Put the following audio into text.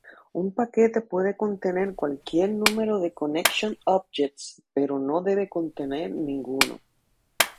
Un paquete puede contener cualquier número de connection objects, pero no debe contener ninguno.